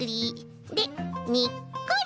でにっこり！